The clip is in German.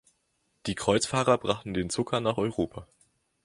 Die Kreuzfahrer brachten den Zucker nach Europa.